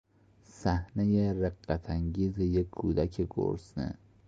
صحنهی رقت انگیز یک کودک گرسنه